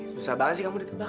susah banget sih kamu ditebak